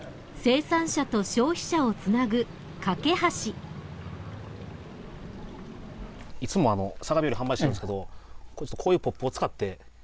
それはいつもさがびより販売してるんですけどこういうポップを使って。